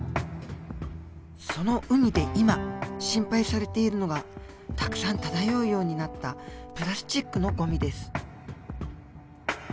その海で今心配されているのがたくさん漂うようになったプラスチックのごみです。